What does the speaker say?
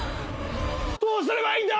どうすればいいんだ！